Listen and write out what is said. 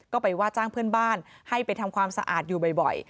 ก็ไปว่าจ้างเพื่อนบ้านให้ไปทำความสะอาดอยู่บ่อย